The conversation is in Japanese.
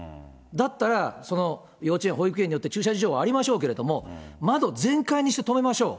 だったら、幼稚園、保育園によって駐車事情はありましょうけれども、窓全開にして止めましょう。